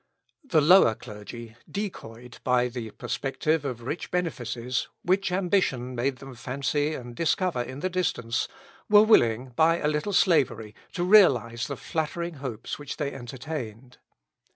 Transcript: The lower clergy, decoyed by the perspective of rich benefices, which ambition made them fancy and discover in the distance, were willing, by a little slavery, to realise the flattering hopes which they entertained.